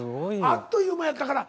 あっという間やったから。